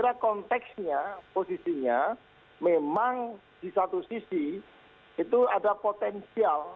saya konteksnya posisinya memang di satu sisi itu ada potensial